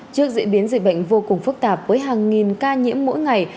trước diễn biến dịch bệnh vô cùng phức tạp với hàng nghìn ca nhiễm mỗi ngày